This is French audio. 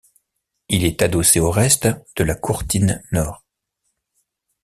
Il est adossé aux restes de la courtine nord.